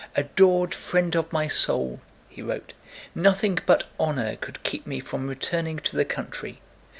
"Adored friend of my soul!" he wrote. "Nothing but honor could keep me from returning to the country.